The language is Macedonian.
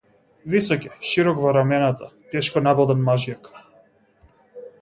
Висок е, широк во рамената, тешко набилдан мажјак.